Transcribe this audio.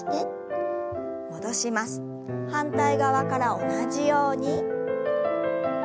反対側から同じように。